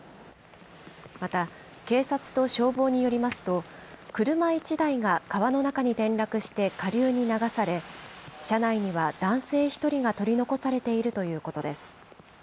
また警察と消防によりますと車１台が川の中に転落して下流に流され、車内には男性１人が取り残されているということです。